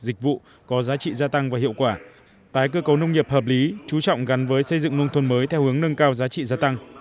dịch vụ có giá trị gia tăng và hiệu quả tái cơ cấu nông nghiệp hợp lý chú trọng gắn với xây dựng nông thôn mới theo hướng nâng cao giá trị gia tăng